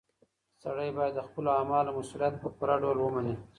سړی باید د خپلو اعمالو مسؤلیت په پوره ډول ومني.